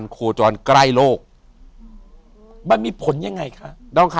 อยู่ที่แม่ศรีวิรัยิลครับ